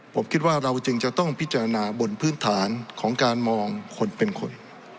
ผมคิดว่าเราจึงจะต้องพิจารณาบนพื้นฐานของการมองคนเป็นคน